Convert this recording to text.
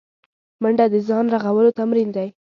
منډه د ځان رغولو تمرین دی